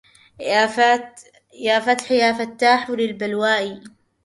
يا فتح يا فاتحا لبلوائي